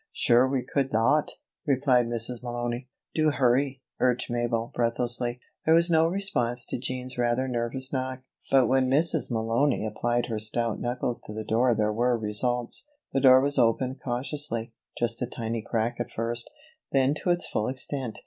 "Sure we could thot," replied Mrs. Malony. "Do hurry!" urged Mabel, breathlessly. There was no response to Jean's rather nervous knock; but when Mrs. Malony applied her stout knuckles to the door there were results. The door was opened cautiously, just a tiny crack at first, then to its full extent.